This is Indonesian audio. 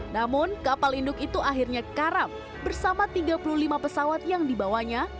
namun kapal induk itu akhirnya karam bersama tiga puluh lima pesawat yang dibawanya